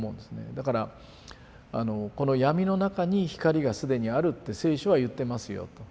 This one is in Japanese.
だからこの闇の中に光が既にあるって聖書は言ってますよと。